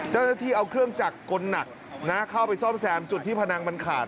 เจ้าหน้าที่เอาเครื่องจักรกลหนักเข้าไปซ่อมแซมจุดที่พนังมันขาด